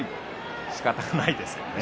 しかたがないですかね。